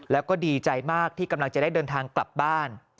แล้วก็ดีใจมากที่กำลังจะได้เดินทางกลับบ้าน